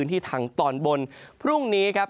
ในภาคฝั่งอันดามันนะครับ